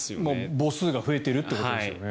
母数が増えているということですよね。